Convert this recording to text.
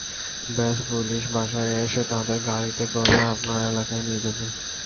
ব্যস, পুলিশ বাসায় এসে তাদের গাড়িতে করে আপনার এলাকায় নিয়ে যাবে।